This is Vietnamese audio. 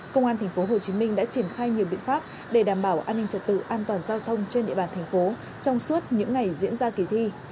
công an tp hcm đã triển khai nhiều biện pháp để đảm bảo an ninh trật tự an toàn giao thông trên địa bàn thành phố trong suốt những ngày diễn ra kỳ thi